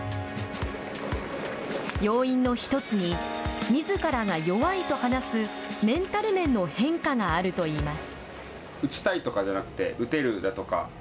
要因の１つにみずからが弱いと話すメンタル面の変化があるといいます。